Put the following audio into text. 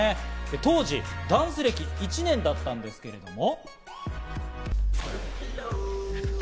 当時ダンス歴１年だったんですけれども。